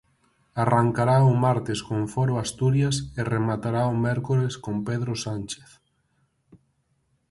Arrancará o martes con Foro Asturias e rematará o mércores con Pedro Sánchez.